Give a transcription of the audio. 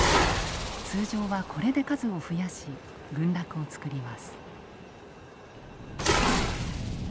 通常はこれで数を増やし群落を作ります。